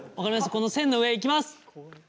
この線の上いきます。